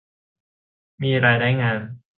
มีรายได้งาม